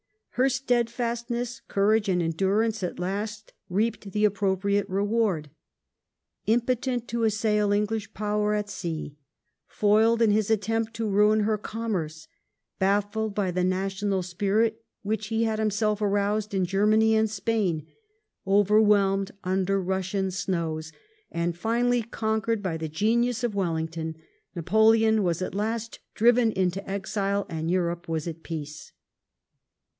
Her steadfastness, courage, and endurance at last reaped the appropriate reward. Impotent to assail English power at sea, foiled in his attempt to ruin her commerce, baffled by the national spirit which he had himself aroused in Germany and Sjmin, overwhelmed under Russian snows, and finally conquered by the genius of Wellington, Napoleon was at last driven into exile, and Europe was at peace.